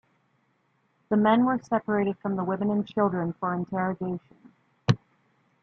The men were separated from the women and children for interrogation.